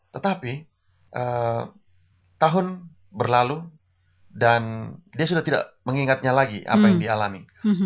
tetapi tahun berlalu dan dia sudah tidak mengingatnya lagi apa yang dialami